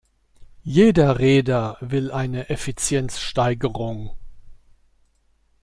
Jeder Reeder will eine Effizienzsteigerung.